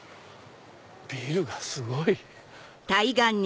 ビルがすごい！